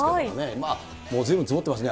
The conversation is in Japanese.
まあ、もうずいぶん積もってますね。